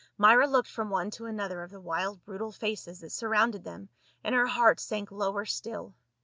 Myra looked from one to another of the wild brutal faces that surrounded them, and her heart sank lower still.